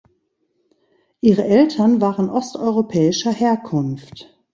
Ihre Eltern waren osteuropäischer Herkunft.